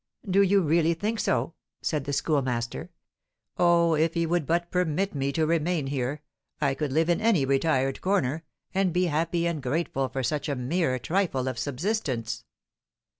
"Do you really think so?" said the Schoolmaster. "Oh, if he would but permit me to remain here, I could live in any retired corner, and be happy and grateful for such a mere trifle of subsistence!"